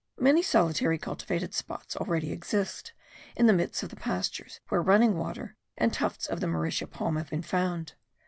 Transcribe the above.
Many solitary cultivated spots already exist in the midst of the pastures where running water and tufts of the mauritia palm have been found.